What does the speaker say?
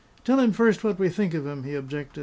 "Tell him first what we think of him," he objected.